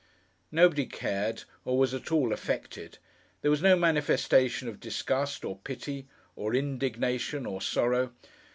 Nobody cared, or was at all affected. There was no manifestation of disgust, or pity, or indignation, or sorrow.